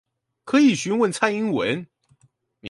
可以詢問蔡英文